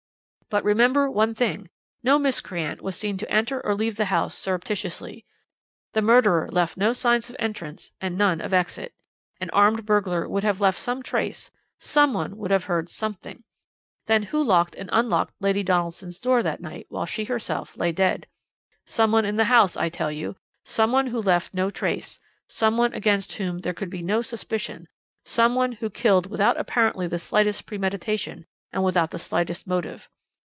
"But remember one thing: no miscreant was seen to enter or leave the house surreptitiously; the murderer left no signs of entrance, and none of exit. An armed burglar would have left some trace some one would have heard something. Then who locked and unlocked Lady Donaldson's door that night while she herself lay dead? "Some one in the house, I tell you some one who left no trace some one against whom there could be no suspicion some one who killed without apparently the slightest premeditation, and without the slightest motive.